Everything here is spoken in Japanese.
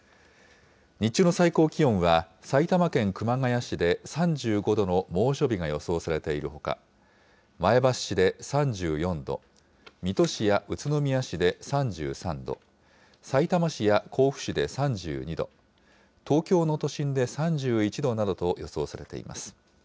日中の最高気温は、埼玉県熊谷市で３５度の猛暑日が予想されているほか、前橋市で３４度、水戸市や宇都宮市で３３度、さいたま市や甲府市で３２度、東京の都心で３１度などと予想されています。